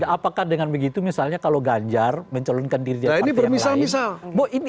apakah dengan begitu misalnya kalau ganjar mencalonkan diri dari partai yang lain